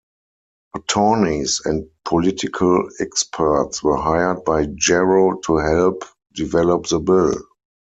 Attorneys and political experts were hired by Yarro to help develop the bill.